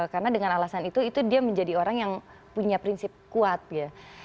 karena dengan alasan itu itu dia menjadi orang yang punya prinsip kuat gitu